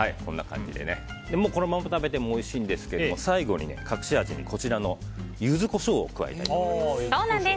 このまま食べてもおいしいんですけど最後に隠し味にユズコショウを加えたいと思います。